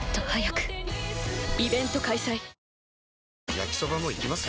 焼きソバもいきます？